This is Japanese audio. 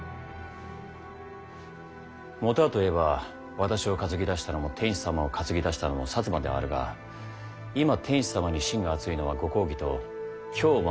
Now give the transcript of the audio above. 元はと言えば私を担ぎ出したのも天子様を担ぎ出したのも摩ではあるが今天子様に信が厚いのはご公儀と京を守っている会津殿とそして私だ。